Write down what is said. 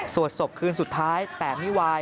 สวดศพคืนสุดท้ายแตกมิวาย